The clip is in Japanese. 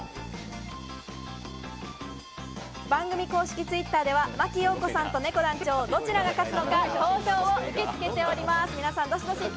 番組公式Ｔｗｉｔｔｅｒでは真木よう子さんとねこ団長どちらが勝つのか投票を受け付けております。